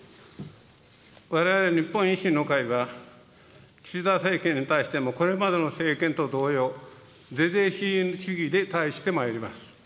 われわれ日本維新の会は、岸田政権に対しても、これまでの政権と同様、是々非々主義で対してまいります。